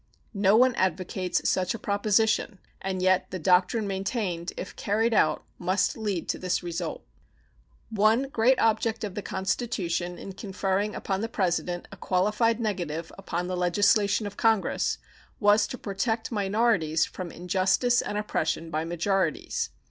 No one advocates such a proposition, and yet the doctrine maintained, if carried out, must lead to this result. One great object of the Constitution in conferring upon the President a qualified negative upon the legislation of Congress was to protect minorities from injustice and oppression by majorities.